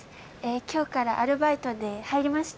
きょうからアルバイトで入りました。